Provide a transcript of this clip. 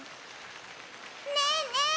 ねえねえ